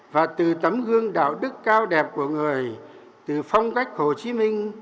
và từ tấm gương đạo đức cao đẹp của người từ phong cách hồ chí minh